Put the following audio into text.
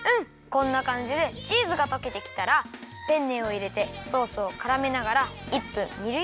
こんなかんじでチーズがとけてきたらペンネをいれてソースをからめながら１分にるよ。